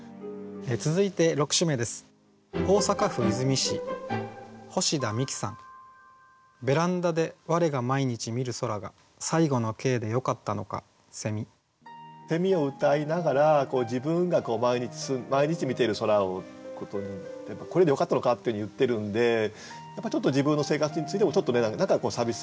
続いて６首目です。をうたいながら自分が毎日見ている空をこれでよかったのかっていうふうに言ってるんでちょっと自分の生活についても何か寂しさがあるというかね